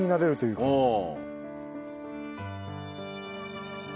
うん。